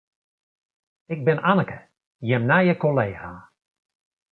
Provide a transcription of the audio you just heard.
Ik bin Anneke, jim nije kollega.